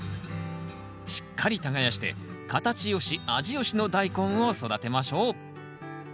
しっかり耕して形よし味よしのダイコンを育てましょう。